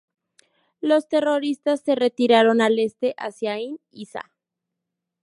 Los terroristas se retiraron al este, hacia Ayn Issa.